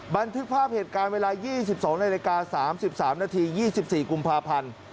บันทึกภาพเหตุการณ์เวลา๒๒น๓๓น๒๔กพ